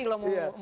kalau mau terus